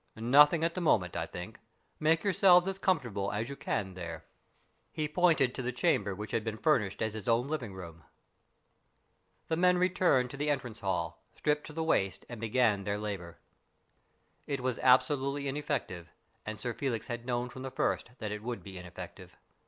" Nothing at the moment, I think. Make your selves as comfortable as you can there." 78 STORIES IN GREY He pointed to the chamber which had been furnished as his own living room. The men returned to the entrance hall, stripped to the waist, and began their labour. It was absolutely ineffective, and Sir Felix had known from the first that it would be ineffective.